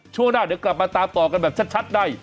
ช่วงหน้าเดี๋ยวกลับมาตามต่อกันแบบชัดใน